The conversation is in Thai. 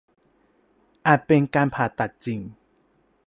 อาจเป็นการผ่าตัดจริง